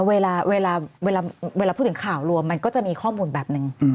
เวลาเวลาพูดถึงข่าวรวมมันก็จะมีข้อมูลแบบหนึ่ง